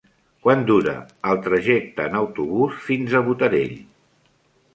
Quant dura el trajecte en autobús fins a Botarell?